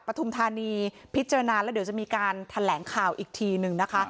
ทุมธานีพิจารณาแล้วเดี๋ยวจะมีการแถลงข่าวอีกทีนึงนะคะ